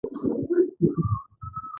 هلته له مخالفانو سره وحشیانه رویه کیږي.